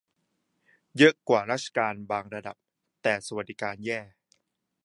เยอะกว่าราชการบางระดับ แต่สวัสดิการแย่